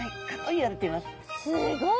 すごい！